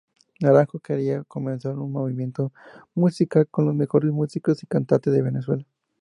Naranjo quería comenzar un movimiento musical con los mejores músicos y cantantes de Venezuela.